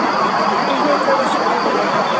Өйгә икәүләшеп инделәр.